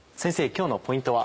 今日のポイントは？